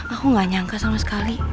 aku gak nyangka sama sekali